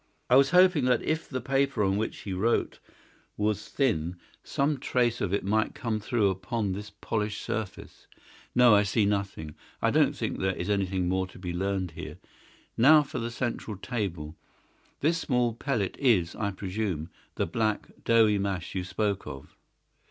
"I was hoping that if the paper on which he wrote was thin some trace of it might come through upon this polished surface. No, I see nothing. I don't think there is anything more to be learned here. Now for the central table. This small pellet is, I presume, the black, doughy mass you spoke of.